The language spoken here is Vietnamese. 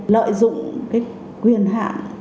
lợi dụng cái quyền hạn